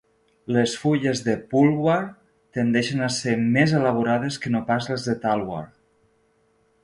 Les fulles de pulwar tendeixen a ser més elaborades que no pas les de talwar.